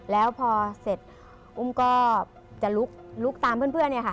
แล้วพอเสร็จอุ้มก็จะลุกตามเพื่อนเนี่ยค่ะ